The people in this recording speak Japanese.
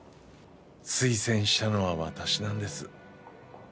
推薦したのは私なんです。